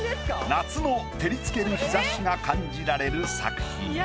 夏の照りつける日ざしが感じられる作品。